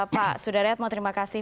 pak sudaryat mau terima kasih